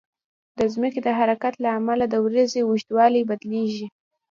د ځمکې د حرکت له امله د ورځې اوږدوالی بدلېږي.